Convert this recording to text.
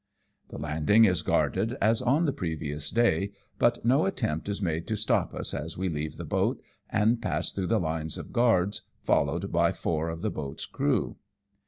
The landing is guarded as on the previous day, but no attempt is made to stop us as we leave the boat and pass through the lines of guards followed by four of the boat's crew.